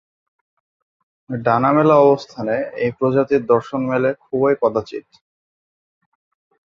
ডানা মেলা অবস্থানে এই প্রজাতির দর্শন মেলে খুবই কদাচিৎ।